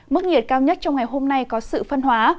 mức nhiệt cao nhất trong ngày hôm nay có sự phân hóa